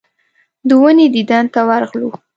د ونې دیدن ته ورغلو.